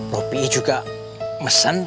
roh pi juga mesen